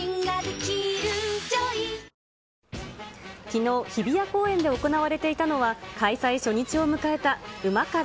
きのう、日比谷公園で行われていたのは、開催初日を迎えたうま辛！